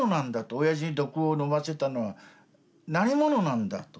おやじに毒を飲ませたのは何者なんだと。